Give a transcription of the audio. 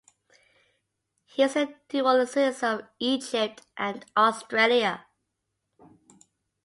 He is a dual citizen of Egypt and Australia.